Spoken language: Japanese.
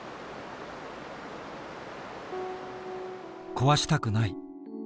「壊したくない」。